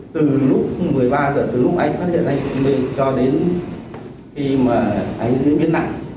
từ lúc một mươi ba h từ lúc anh phát hiện anh sức mạnh cho đến khi mà anh diễn biến nặng